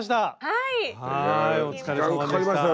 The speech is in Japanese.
はいお疲れさまでした。